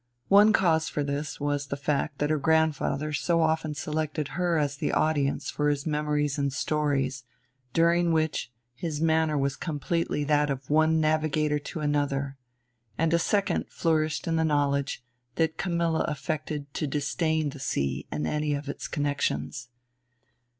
One cause for this was the fact that her grandfather so often selected her as the audience for his memories and stories, during which his manner was completely that of one navigator to another; and a second flourished in the knowledge that Camilla affected to disdain the sea and any of its connections.